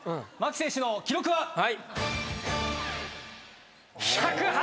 巻選手の記録は？